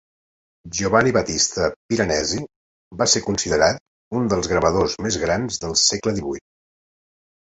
Giovanni Battista Piranesi va ser considerat un dels gravadors més grans del segle XVIII.